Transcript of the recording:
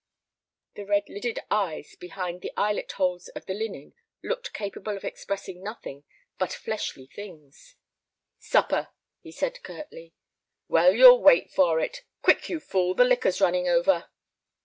The red lidded eyes behind the eyelet holes in the linen looked capable of expressing nothing but fleshly things. "Supper," he said, curtly. "Well, you'll wait for it. Quick, you fool, the liquor's running over."